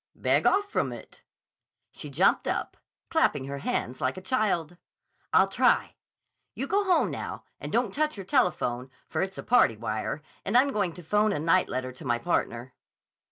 "Beg off from it." She jumped up, clapping her hands like a child. "I'll try. You go home now, and don't touch your telephone, for it's a party wire and I'm going to phone a night letter to my partner."